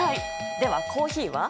ではコーヒーは？